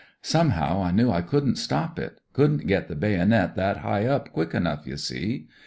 Some how I knew I couldn't stop it — couldn't get the baynit that high up quick enough, ye see.